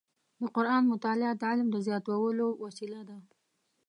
د قرآن مطالع د علم زیاتولو وسیله ده.